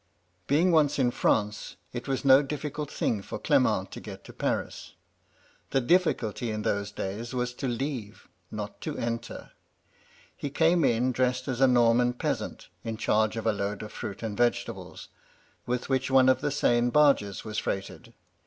Being once in France, it was no difficult thing for Cflement to get into Paris. The difficulty in those days was to leave, not to enter. He came in dressed as a Norman peasant, in charge of a load of fruit and vegetables, with which one of the Seine barges was freighted.